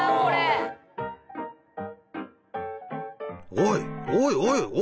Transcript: おいおいおい！